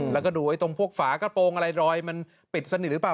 แล้วก็ดูไอ้ตรงพวกฝากระโปรงอะไรรอยมันปิดสนิทหรือเปล่า